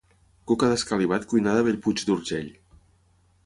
Coca d'escalivat cuinada a Bellpuig d'Urgell